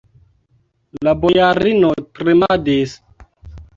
La bojarino tremadis.